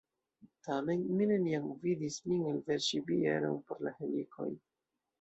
Tamen mi neniam vidis lin elverŝi bieron por la helikoj.